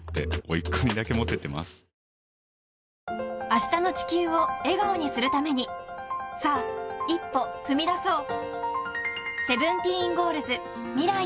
明日の地球を笑顔にするためにさあ一歩踏み出そう